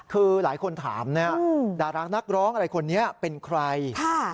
คือหลายคนถามนะดารานักร้องอะไรคนนี้เป็นใคร